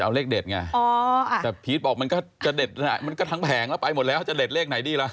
เอาเลขเด็ดไงแต่พีชบอกมันก็จะเด็ดมันก็ทั้งแผงแล้วไปหมดแล้วจะเด็ดเลขไหนดีล่ะ